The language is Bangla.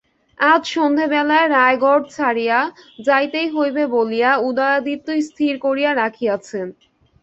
আজ সন্ধ্যাবেলায় রায়গড় ছাড়িয়া যাইতেই হইবে বলিয়া উদয়াদিত্য স্থির করিয়া রাখিয়াছেন।